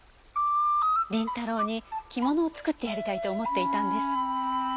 麟太郎に着物を作ってやりたいと思っていたんです。